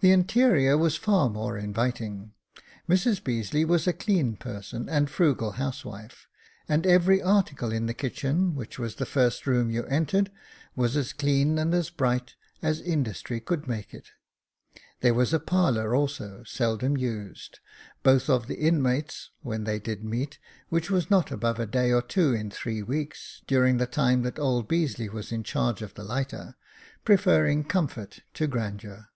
The interior was far more inviting ; Mrs Beazeley was a clean person and frugal housewife, and every article in the kitchen, which was the first room you entered, was as clean and as bright as industry could make it. There was a parlour also, seldom used ; both of the inmates, when they did meet, which was not above a day or two in three weeks, during the time that old Beazeley was in charge of the lighter, preferring comfort to grandeur.